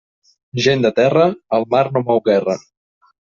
Gent de terra, al mar no mou guerra.